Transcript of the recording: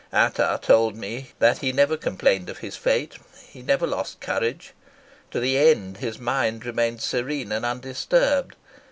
Ata told me that he never complained of his fate, he never lost courage. To the end his mind remained serene and undisturbed.